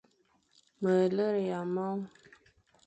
Ma lera ye mor.